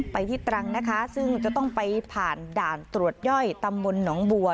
ไปที่ตรังนะคะซึ่งจะต้องไปผ่านด่านตรวจย่อยตำบลหนองบัว